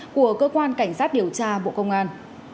của cơ quan cảnh sát điều tra bộ công an